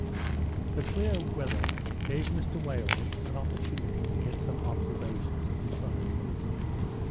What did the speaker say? The clear weather gave Mr Wales an opportunity to get some observations of the sun and moon.